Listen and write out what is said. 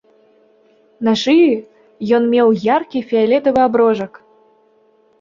На шыі ён меў яркі фіялетавы аброжак.